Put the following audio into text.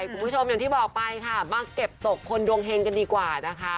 คุณผู้ชมอย่างที่บอกไปค่ะมาเก็บตกคนดวงเฮงกันดีกว่านะคะ